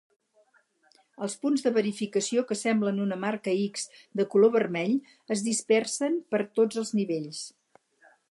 Els punts de verificació que semblen una marca "X" de color vermell es dispersen per tots els nivells.